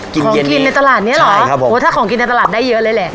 ของกินในตลาดนี้หรอถ้าของกินในตลาดได้เยอะเลยแหละ